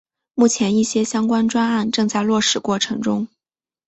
目前一些相关专案正在落实过程中。